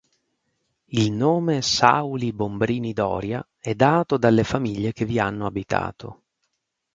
Il nome Sauli Bombrini Doria è dato dalle famiglie che vi hanno abitato.